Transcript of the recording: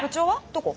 どこ？